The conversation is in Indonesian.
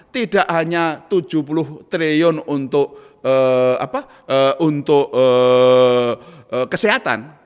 tidak hanya rp tujuh puluh triliun untuk kesehatan